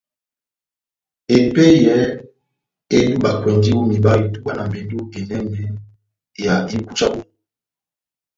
Epeyɛ edubakwɛndi o miba itubwa na mbendu enɛnɛ ya ihuku ja boho.